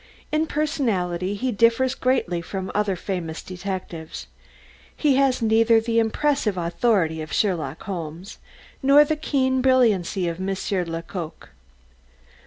In personality he differs greatly from other famous detectives. He has neither the impressive authority of Sherlock Holmes, nor the keen brilliancy of Monsieur Lecoq.